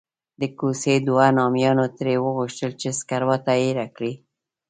د کوڅې دوو نامیانو ترې وغوښتل چې سکروټه ایره کړي.